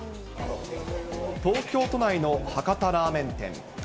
東京都内の博多ラーメン店。